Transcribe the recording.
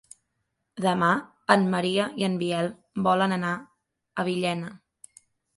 Demà en Maria i en Biel volen anar a Villena.